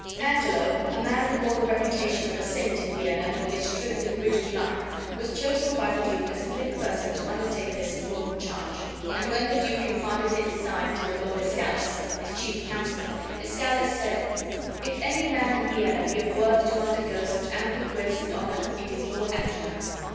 Angelo, a man who bore the reputation of a saint in Vienna for his strict and rigid life, was chosen by the duke as a fit person to undertake this important charge; and when the duke imparted his design to Lord Escalus, his chief counselor, Escalus said: "If any man in Vienna be of worth to undergo such ample grace and honor, it is Lord Angelo."